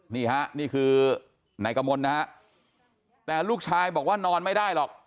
นี่ฮะนี่คือนายกมลนะฮะแต่ลูกชายบอกว่านอนไม่ได้หรอก